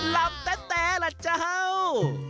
ลำแต๊ะล่ะเจ้า